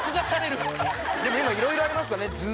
でも今いろいろありますから。